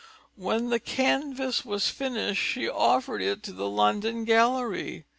When the canvas was finished, she offered it to the London Gallery.